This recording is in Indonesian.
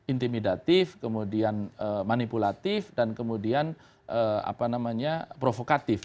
intimidatif kemudian manipulatif dan kemudian provokatif